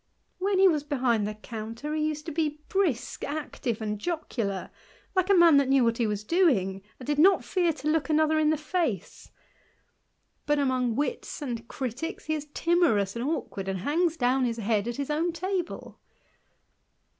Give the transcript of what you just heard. When he was behind his counter, he used to be brisk, active, and jocular, like a man that knew what he was doing, and did not fear to look another in the face ; but, among wits and criticks, he is timorous and awkward, and hangs down his head at his THE IDLER. 309 own table.